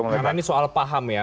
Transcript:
karena ini soal paham ya pak